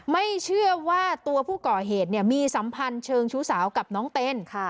ไม่เชื่อว่าตัวผู้ก่อเหตุมีสัมพันธ์เชิงชู้สาวกับน้องเต้น